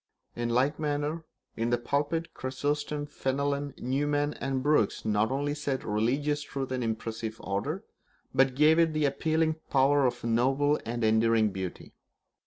In like manner, in the pulpit, Chrysostom, Fenelon, Newman, and Brooks not only set religious truth in impressive order, but gave it the appealing power of a noble and enduring beauty.